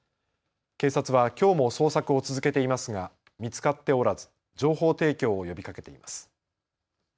警察はきょうも捜索を続けていますが見つかっておらず情報提供を呼びかけています。